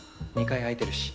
２階空いてるし。